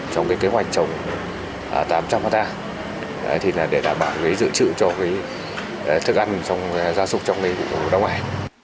trong kế hoạch trồng tám trăm linh hectare để đảm bảo dự trữ cho thức ăn trong gia súc trong vụ năm ngoài